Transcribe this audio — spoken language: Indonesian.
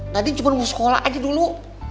nanti cuma mau sekolah aja dulu